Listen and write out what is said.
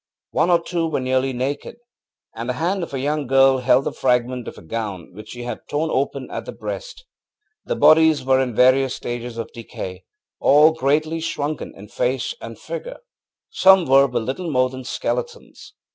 One or two were nearly naked, and the hand of a young girl held the fragment of a gown which she had torn open at the breast. The bodies were in various stages of decay, all greatly shrunken in face and figure. Some were but little more than skeletons.